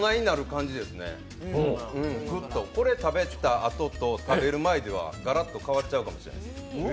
これ食べたあとと、食べる前ではガラッと変わっちゃうかもしれない。